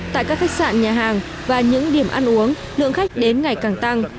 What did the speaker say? tại các khách sạn nhà hàng và những điểm ăn uống lượng khách đến ngày càng tăng